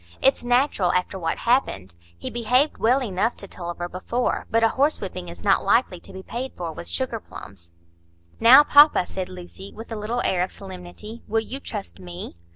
It's natural, after what happened. He behaved well enough to Tulliver before; but a horsewhipping is not likely to be paid for with sugar plums." "Now, papa," said Lucy, with a little air of solemnity, "will you trust me?